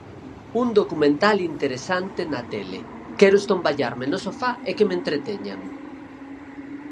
Un documental interesante na Tele, quero estomballarme no sofá e que me entreteñan.